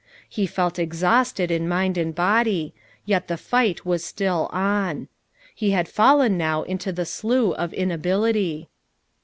He felt exhausted in mind and body, yet the fight was still on. He had fallen now into the slough of inability.